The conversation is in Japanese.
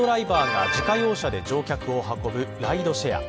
一般ドライバーが自家用車で乗客を運ぶライドシェア。